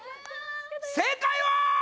正解はー！